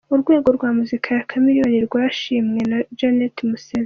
Urwego rwa muzika ya Chameleone rwashimwe na Janet Museveni.